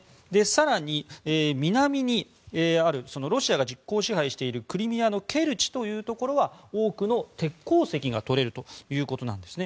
更に、南にあるロシアが実効支配しているクリミアのケルチというところは多くの鉄鉱石が採れるということです。